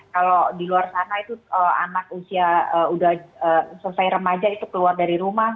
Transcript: kalau di luar sana itu anak usia sudah selesai remaja itu keluar dari rumah